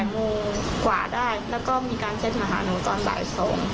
คือโปรไฟล์เขาก็มีการตั้งภาพประจำตัวตอนบ่ายสาม